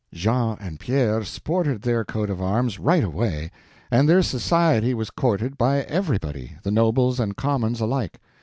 Jean and Pierre sported their coats of arms right away; and their society was courted by everybody, the nobles and commons alike.